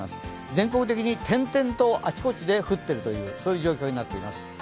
全国的に点々とあちこちで降ってるという状況になっています。